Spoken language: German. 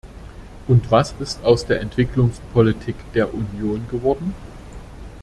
Und was ist aus der Entwicklungspolitik der Union geworden?